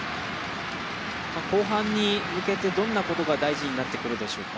後半に向けてどんなことが大事になってくるでしょうか。